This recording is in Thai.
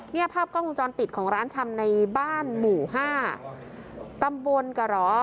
เนี่ยภาพกล้องวงจรปิดของร้านชำในบ้านหมู่ห้าตำบลกะหรอ